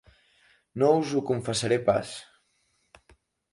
No us ho confessaré pas